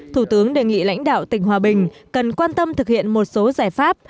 thủ tướng đề nghị lãnh đạo tỉnh hòa bình cần quan tâm thực hiện một số giải pháp